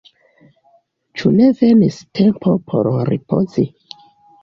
ĉu ne venis tempo por ripozi?